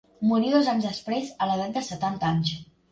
Morí dos anys després, a l'edat de setanta anys.